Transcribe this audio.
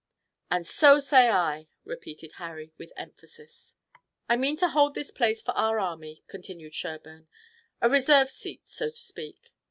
"And so say I!" repeated Harry with emphasis. "I mean to hold this place for our army," continued Sherburne. "A reserved seat, so to speak."